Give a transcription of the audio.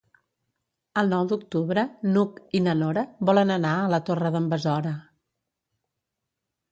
El nou d'octubre n'Hug i na Nora volen anar a la Torre d'en Besora.